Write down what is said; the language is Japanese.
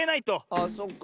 あっそっか。